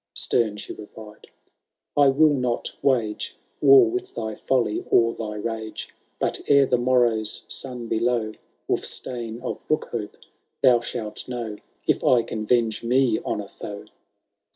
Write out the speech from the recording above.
XV. Stem she replied, " I will not wage War with thy folly or thy rage ; But ere the morrow's sun be low, Wulfstane of Bookhope, thou shalt know. If I can venge me on a foe.